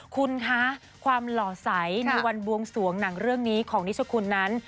คุณคะความเหล่าใสนู่วันบวงศวงนางเรื่องนี้ของงิจขุนนั้น